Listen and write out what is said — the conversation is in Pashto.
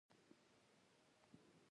زه سخت زخمي وم او د اسیرانو کمپ ته یې بوتلم